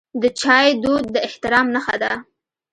د چای دود د احترام نښه ده.